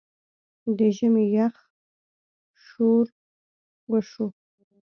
د ژمي يخ شورو شو